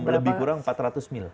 lebih kurang empat ratus mil